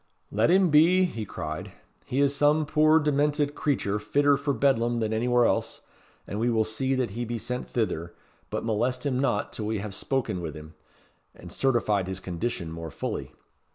"Let him be," he cried. "He is some puir demented creature fitter for Bedlam than anywhere else; and we will see that he be sent thither; but molest him not till we hae spoken wi' him, and certified his condition more fully.